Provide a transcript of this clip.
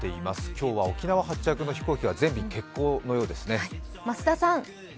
今日は沖縄発着の飛行機が全便欠航のようですね。